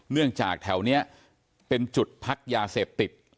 เนื่องจากแถวเนี้ยเป็นจุดพักยาเสพติด